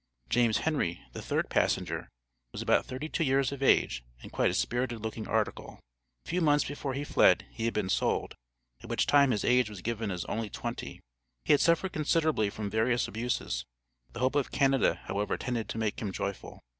James Henry, the third passenger, was about thirty two years of age, and quite a spirited looking "article." A few months before he fled he had been sold, at which time his age was given as "only twenty." He had suffered considerably from various abuses; the hope of Canada however tended to make him joyful.